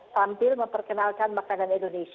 sambil memperkenalkan makanan indonesia